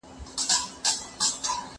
چي شریک یې په قدرت سي په ښکارونو